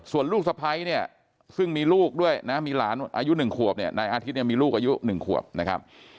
ส่วนลูกสะพ้ายเนี่ยซึ่งมีลูกด้วยนะมีหลานอายุ๑ขวบเนี่ยนายอาทิตย์เนี่ยมีลูกอายุ๑ขวบนะครับ